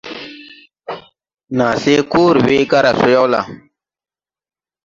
Naa se koore wee cõõre gaara so yaw la?